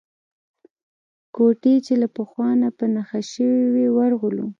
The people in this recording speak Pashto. کوټې چې له پخوا نه په نښه شوې وې ورغلو.